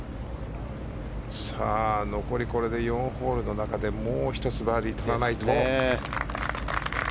残り４ホールの中でもう１つバーディーをとらないと。